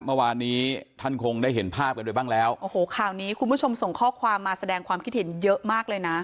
เมื่อวานนี้ท่านคงได้เห็นภาพกันไปบ้างแล้วโอ้โหข่าวนี้คุณผู้ชมส่งข้อความมาแสดงความคิดเห็นเยอะมากเลยนะ